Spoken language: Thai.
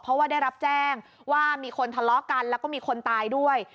เพราะว่าได้รับแจ้งว่ามีคนทะเลาะกันแล้วก็มีคนตายด้วย